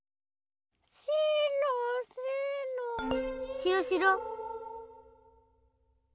しろしろ。